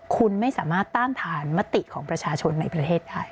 คุณไม่สามารถต้านทานมติของประชาชนในประเทศไทย